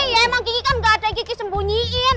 hii ya emang ki ki kan gak ada yang ki ki sembunyiin